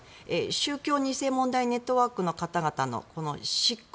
宗教２世問題ネットワークの方々の執行